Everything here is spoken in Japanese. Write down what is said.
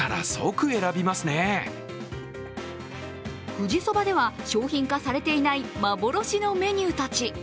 富士そばでは商品化されていない幻のメニューたち。